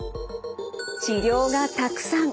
治療がたくさん。